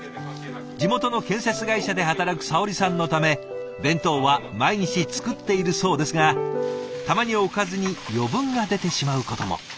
地元の建設会社で働くさおりさんのため弁当は毎日作っているそうですがたまにおかずに余分が出てしまうことも。